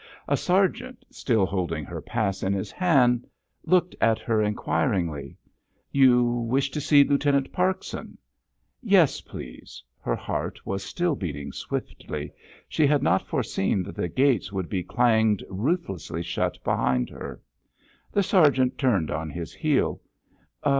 A sergeant, still holding her pass in his hand, looked at her inquiringly. "You wish to see Lieutenant Parkson?" "Yes, please." Her heart was still beating swiftly. She had not foreseen that the gates would be clanged ruthlessly shut behind her. The sergeant turned on his heel.